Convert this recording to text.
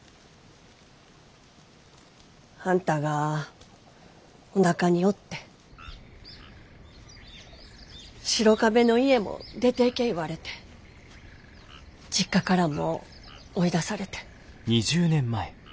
あんたがおなかにおって白壁の家も出ていけ言われて実家からも追い出されて。